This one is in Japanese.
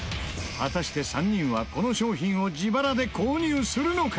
果たして、３人はこの商品を自腹で購入するのか？